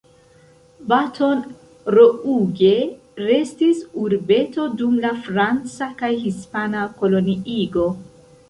Baton Rouge restis urbeto dum la franca kaj hispana koloniigo.